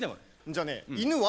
じゃあね犬は？